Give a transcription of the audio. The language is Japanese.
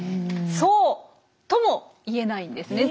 そうとも言えないんですね。